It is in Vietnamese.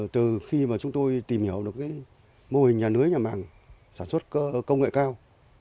từ khi mà chúng tôi tìm hiểu được mô hình nhà lưới nhà màng sản xuất công nghệ cao